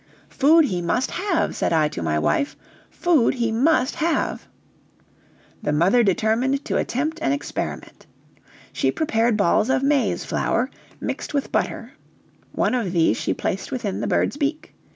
"Food he must have!" said I to my wife; "food he must have!" The mother determined to attempt an experiment. She prepared balls of maize flour, mixed with butter. One of these she placed within the bird's beak.